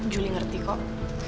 juli ngerti kok